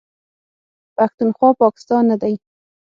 پښتونخوا، پاکستان نه دی.